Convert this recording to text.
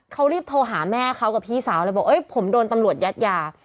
เขารีบโทรหาแม่เขากับพี่สาวเลยบอกเอ้ยผมโดนตำรวจยัดยา